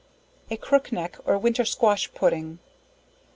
A Crookneck, or Winter Squash Pudding.